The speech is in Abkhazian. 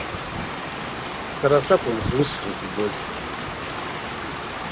Сара сакәын зус рыӡбоз.